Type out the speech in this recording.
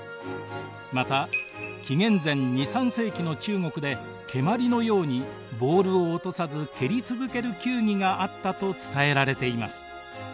また紀元前２３世紀の中国で蹴まりのようにボールを落とさず蹴り続ける球技があったと伝えられています。